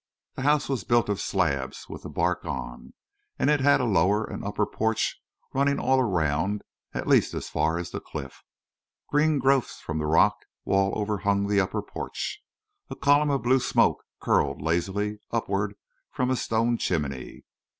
The house was built of slabs with the bark on, and it had a lower and upper porch running all around, at least as far as the cliff. Green growths from the rock wall overhung the upper porch. A column of blue smoke curled lazily upward from a stone chimney.